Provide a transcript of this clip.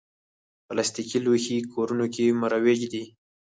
پلاستيکي لوښي کورونو کې مروج دي.